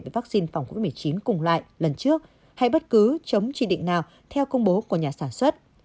với vaccine phòng covid một mươi chín cùng lại lần trước hay bất cứ chống chỉ định nào theo công bố của nhà sản xuất